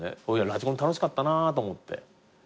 ラジコン楽しかったなと思って。